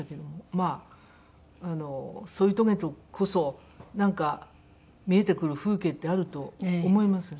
まあ添い遂げてこそなんか見えてくる風景ってあると思いますね。